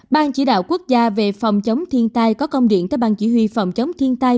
ban chỉ đạo quốc gia về phòng chống thiên tai có công điện tới ban chỉ huy phòng chống thiên tai